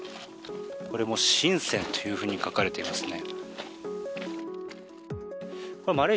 シンセンというふうに書かれていますね。